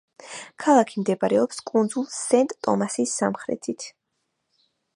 ქალაქი მდებარეობს კუნძულ სენტ-ტომასის სამხრეთით.